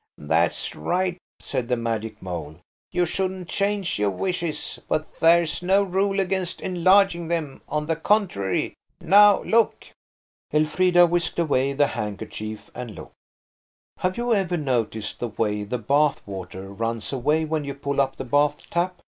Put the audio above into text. "That's right," said the magic mole. "You shouldn't change your wishes; but there's no rule against enlarging them–on the contrary. Now look!" Elfrida whisked away the handkerchief and looked. Have you ever noticed the way the bath water runs away when you pull up the bath tap?